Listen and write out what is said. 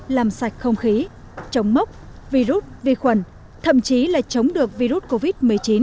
làm sạch không khí chống mốc virus vi khuẩn thậm chí là chống được virus covid một mươi chín